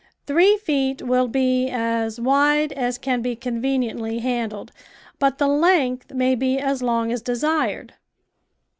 Three feet will be as wide as can be conveniently handled, but the length may be as long as desired.